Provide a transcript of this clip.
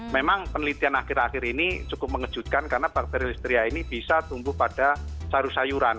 memang penelitian akhir akhir ini cukup mengejutkan karena bakteri listeria ini bisa tumbuh pada saru sayuran